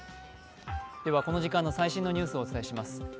この時間の最新のニュースをお伝えします。